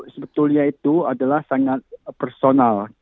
sebetulnya itu adalah sangat personal